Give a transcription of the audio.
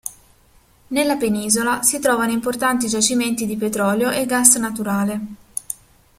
Nella penisola si trovano importanti giacimenti di petrolio e gas naturale.